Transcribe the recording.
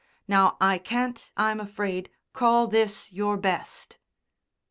Now I can't, I'm afraid, call this your best."